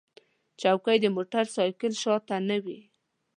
چوکۍ د موټر سایکل شا ته نه وي.